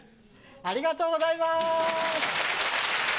ありがとうございます。